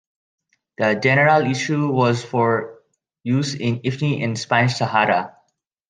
The general issue was for use in Ifni and Spanish Sahara.